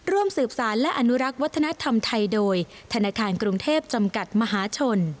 ร่วมสืบสารและอนุรักษ์วัฒนธรรมไทยโดยธนาคารกรุงเทพจำกัดมหาชน